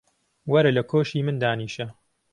وەرە لە کۆشی من دانیشە.